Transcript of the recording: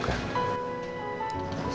itu sangat diperlukan